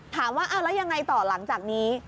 ถามว่าอางไรต่อหลังจากนี้